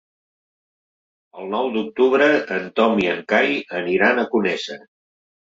El nou d'octubre en Tom i en Cai aniran a Conesa.